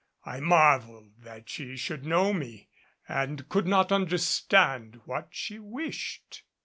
I marveled that she should know me and could not understand what she wished.